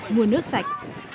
mua nước sạch